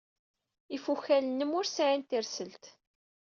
Ifukal-nnem ur sɛin tirselt.